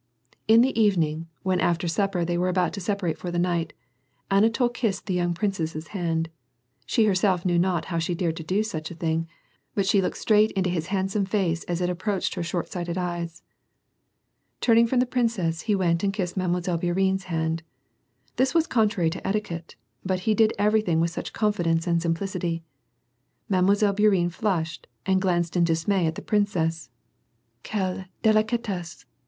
In the evening, when after supper they were about to sepa rate for the night, Anatol kissed the young princess's hand, she herself knew not how she dared to do such a thing, but she looked straight into his handsome face as it approached her shortsighted eyes. Turning from the princess, he went and kissed I^Ille. Bour ienne's hand. This was contrary to etiquette, but ho did every thing with such confidence and simplicity ! Mile. Hourienne flushed, and glanced in dismay at the princess. "Quelle delicatexse!